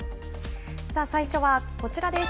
さあ、最初はこちらです。